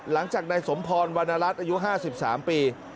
หลังจากนายสมพรวรรณรัฐอายุ๕๓ปี